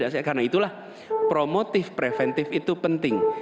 karena itulah promotif preventif itu penting